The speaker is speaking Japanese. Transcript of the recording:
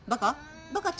バカ？